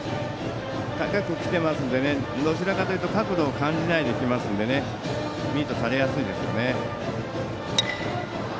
高く来ているのでどちらかというと角度を感じないでいけるのでミートされやすいですよね。